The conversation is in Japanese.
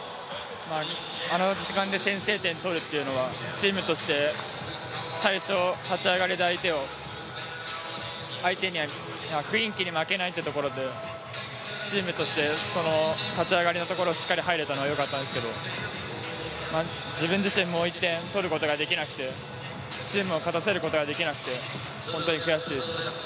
あの時間に先制点を取るというのは、チームとして最初、立ち上がりで相手に雰囲気に負けないというところで、チームとして立ち上がりのところをしっかり入れたのはよかったんですけど自分自身もう１点取ることができなくて、チームを勝たせることができなくて本当に悔しいです。